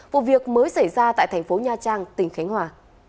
vụ việc mới xảy ra tại thành phố nha trang tỉnh khánh hòa